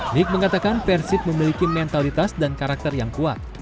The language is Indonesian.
nick mengatakan persib memiliki mentalitas dan karakter yang kuat